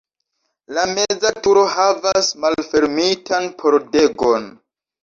La meza turo havas malfermitan pordegon.